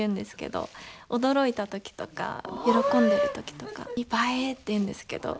驚いた時とか喜んでる時とかにばえーって言うんですけど。